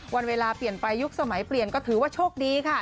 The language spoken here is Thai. วันเวลาเปลี่ยนไปยุคสมัยเปลี่ยนก็ถือว่าโชคดีค่ะ